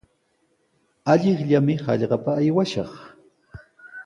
Allaqllami hallqapa aywashaq.